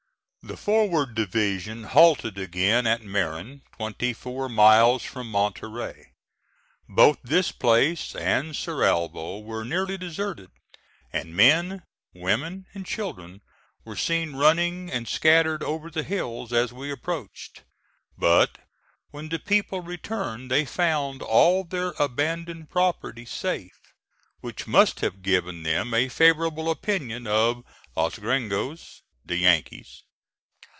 The forward division halted again at Marin, twenty four miles from Monterey. Both this place and Cerralvo were nearly deserted, and men, women and children were seen running and scattered over the hills as we approached; but when the people returned they found all their abandoned property safe, which must have given them a favorable opinion of Los Grengos "the Yankees."